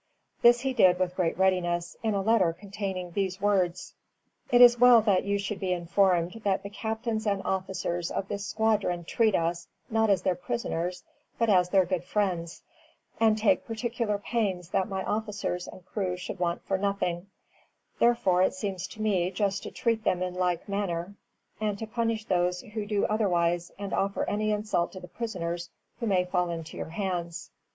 This he did with great readiness, in a letter containing these words: "It is well that you should be informed that the captains and officers of this squadron treat us, not as their prisoners, but as their good friends, and take particular pains that my officers and crew should want for nothing; therefore it seems to me just to treat them in like manner, and to punish those who do otherwise and offer any insult to the prisoners who may fall into your hands."